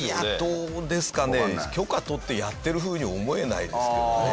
許可取ってやってるふうに思えないですけどね。